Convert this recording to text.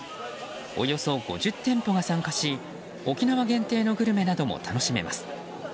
およそ５０店舗が参加し沖縄限定のグルメなども楽しめます。